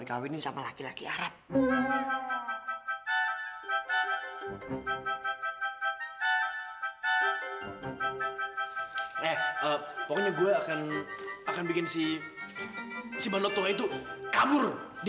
dikawinin sama laki laki arab eh pokoknya gue akan akan bikin sih si bantuan itu kabur di